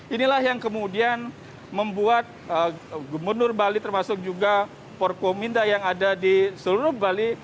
inilah yang kemudian membuat gubernur bali termasuk juga porkominda yang ada di seluruh bali